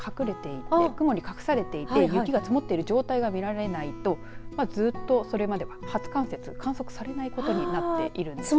雲に隠されていて雪が積もっている状態が見られないとずっとそれまでは初冠雪観測されないことになっているんです。